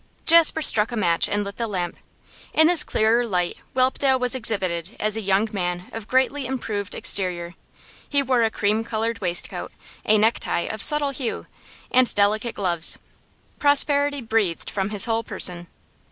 Jasper struck a match and lit the lamp. In this clearer light Whelpdale was exhibited as a young man of greatly improved exterior; he wore a cream coloured waistcoat, a necktie of subtle hue, and delicate gloves; prosperity breathed from his whole person.